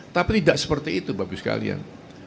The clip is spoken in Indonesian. tapi tidak seperti itu bapak ibu sekalian